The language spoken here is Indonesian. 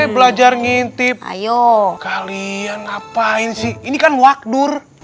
belajar ngintip ayo kalian ngapain sih ini kan wakdur